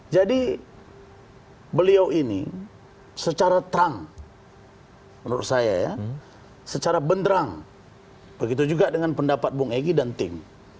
jadi beliau ini secara terang menurut saya ya secara benderang begitu juga dengan pendapat bung egy dan tim